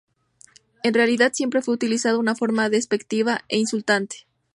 En realidad siempre fue utilizado en forma despectiva e insultante.